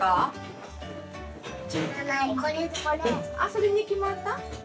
それに決まった？